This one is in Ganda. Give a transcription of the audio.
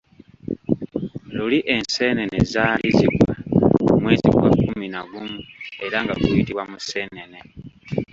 Luli enseenene zaali zigwa mu mwezi gwa kkumi na gumu era nga guyitibwa Museenene.